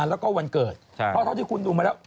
แล้วก็วันเกิดเพราะเท่าที่คุณดูมาแล้ว